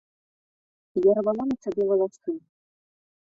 Я рвала на сабе валасы.